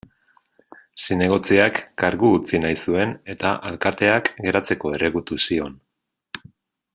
Zinegotziak kargu utzi nahi zuen eta alkateak geratzeko erregutu zion.